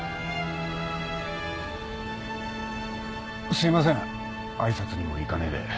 すいませんあいさつにも行かねえで。